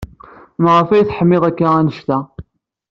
Maɣef ay teḥmid akk anect-a?